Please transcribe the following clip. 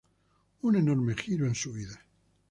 Un enorme giro en su vida.